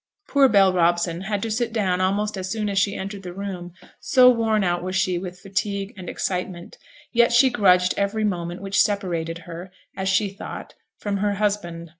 Poor Bell Robson had to sit down almost as soon as she entered the room, so worn out was she with fatigue and excitement; yet she grudged every moment which separated her, as she thought, from her husband.